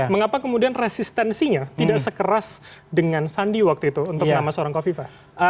mengapa kemudian resistensinya tidak sekeras dengan sandi waktu itu untuk nama seorang kofifa